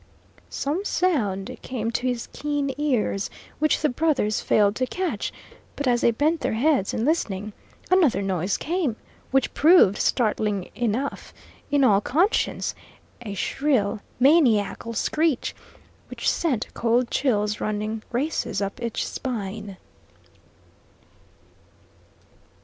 Some sound came to his keen ears, which the brothers failed to catch, but as they bent their heads in listening, another noise came, which proved startling enough, in all conscience, a shrill, maniacal screech, which sent cold chills running races up each spine.